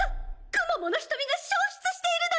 クモモの瞳が消失しているのです！